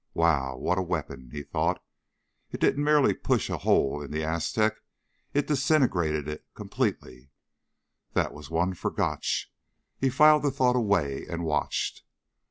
Wow, what a weapon, he thought. It didn't merely push a hole in the Aztec. It disintegrated it, completely. That was one for Gotch. He filed the thought away and watched.